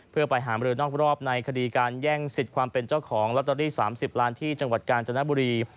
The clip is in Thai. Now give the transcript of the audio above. เพื่อไปหามรือนอกรอบในคดีการแย่งสิทธิ์ความเป็นเจ้าของลอตเตอรี่๓๐ล้านที่จังหวัดกาญจนบุรี